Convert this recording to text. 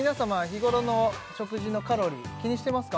日頃の食事のカロリー気にしてますか？